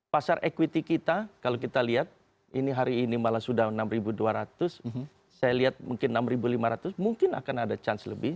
pasar equity kita kalau kita lihat ini hari ini malah sudah enam dua ratus saya lihat mungkin enam ribu lima ratus mungkin akan ada chance lebih